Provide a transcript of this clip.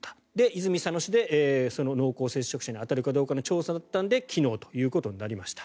泉佐野市で、その濃厚接触者に当たるかどうかの調査だったので昨日ということになりました。